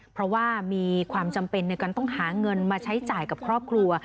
เพราะว่ามีความจำเป็นในการต้องหาเงินมาใช้จ่ายกับครอบครัว